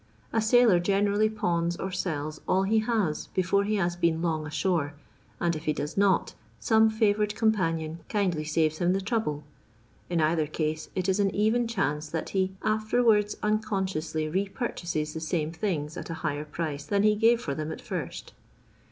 A sailor generally pawns or sells all he has before he has been long ashore, and if he does not, some fiivourad companion kindly saves him the trouble. In cither case, it is an even chance that he after wards unconsciously repurchases the same things at a higher price than he gave for them at fint.